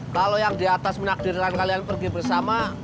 kalo yang diatas menakdirkan kalian pergi bersama